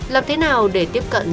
làm thế nào để tiếp cận